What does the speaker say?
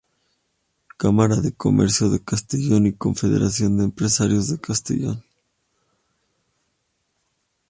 Cámara de Comercio de Castellón y Confederación de Empresarios de Castellón.